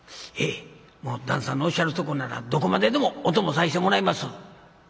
「へえ旦さんのおっしゃるとこならどこまででもお供させてもらいます」。